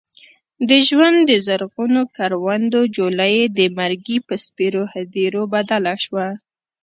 د ژوند د زرغونو کروندو جوله یې د مرګي په سپېرو هديرو بدله شوه.